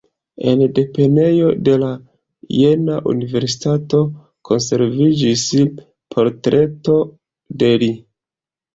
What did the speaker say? En deponejo de la Jena-universitato konserviĝis portreto de li.